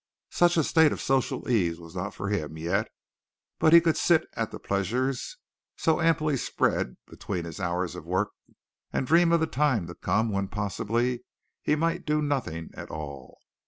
Such a state of social ease was not for him yet, but he could sit at the pleasures, so amply spread, between his hours of work and dream of the time to come when possibly he might do nothing at all.